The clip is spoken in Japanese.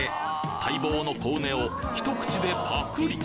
待望のコウネをひと口でパクリ